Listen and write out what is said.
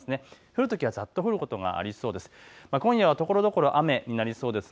降るときはざっと降ることがありそうです。